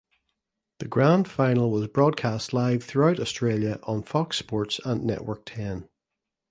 The Grand Final was broadcast live throughout Australia on Fox Sports and Network Ten.